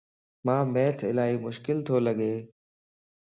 مانک Math الائي مشڪل تو لڳ